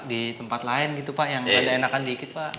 ditempat lain gitu pak yang ada enakan dikit pak